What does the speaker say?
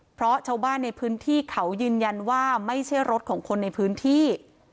เพราะชาวบ้านในพื้นที่เขายืนยันว่าไม่ใช่รถของคนในพื้นที่